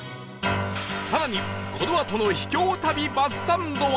更にこのあとの秘境旅バスサンドは